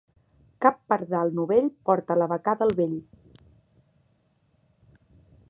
Cap pardal novell porta la becada al vell.